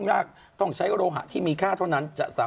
เพราะฉะนั้นวันนี้๑๓ต้องเอาทองแดงเนี่ย